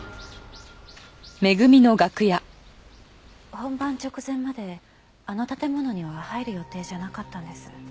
本番直前まであの建物には入る予定じゃなかったんです。